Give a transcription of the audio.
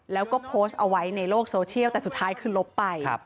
แล้วก็โพสต์เอาไว้ในโลกโซเชียลแต่สุดท้ายคือลบไป